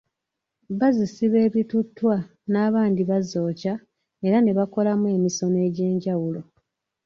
Bazisiba ebituttwa n’abandi bazokya era ne bakolamu emisono egy’enjwulo.